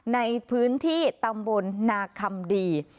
ในพื้นที่ตำบลนาคำดี